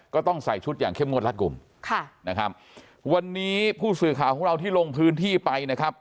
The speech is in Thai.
ก็ต้องใส่ชุดอย่างเข้มงดรัฐกลุ่มวันนี้ผู้สื่อข่าวของเราที่ลงพื้นที่ไป